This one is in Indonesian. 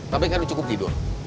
bambang kan udah cukup tidur